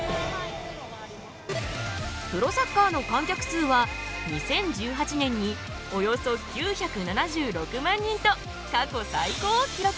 プロサッカーの観客数は２０１８年におよそ９７６万人と過去最高を記録！